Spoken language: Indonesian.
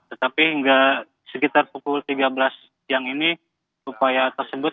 tetapi hingga sekitar pukul tiga belas siang ini upaya tersebut